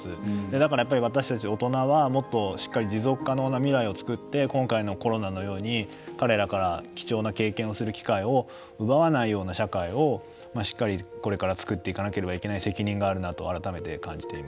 だから、やっぱり私たち大人はもっとしっかり持続可能な未来を作って、今回のコロナのように彼らから貴重な経験をする機会を奪わないような社会を、しっかりこれから作っていかなければいけない責任があるなと改めて感じています。